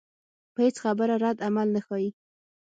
پۀ هېڅ خبره ردعمل نۀ ښائي